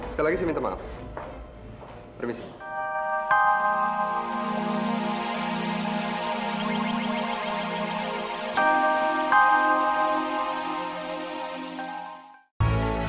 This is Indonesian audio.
sekali lagi saya minta maaf permisi